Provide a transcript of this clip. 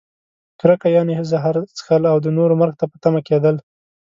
کرکه؛ یعنې زهر څښل او د نورو مرګ ته په تمه کیدل.